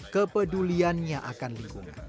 kepeduliannya akan lingkungan